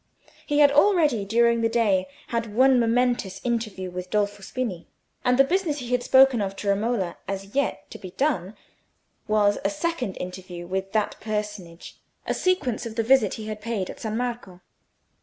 He had already during the day had one momentous interview with Dolfo Spini, and the business he had spoken of to Romola as yet to be done was a second interview with that personage, a sequence of the visit he had paid at San Marco.